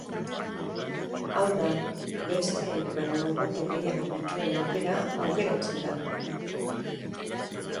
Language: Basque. Hau da, besteek baino boto gehiago dituen aukera aukeratzen da.